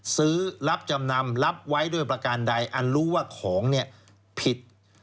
รับจำนำรับไว้ด้วยประการใดอันรู้ว่าของผิด